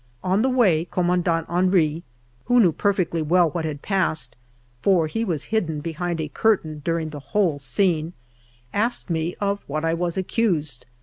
On the way, Commandant Henry, who knew perfectly well what had passed, for he was hidden behind a curtain during the whole scene, asked me of what I was accused.